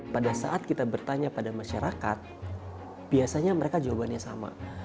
pada saat kita bertanya pada masyarakat biasanya mereka jawabannya sama